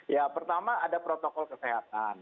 ya pertama ada protokol kesehatan